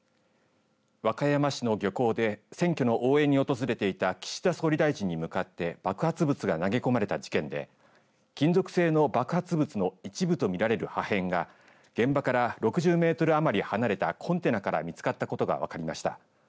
和歌山市の漁港で選挙の応援に訪れていた岸田総理大臣に向かって爆発物が投げ込まれた事件で金属製の爆発物の一部と見られる破片が現場から６０メートル余り離れたコンテナから見つかったことが分かりました。